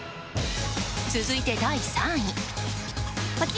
続いて、第３位。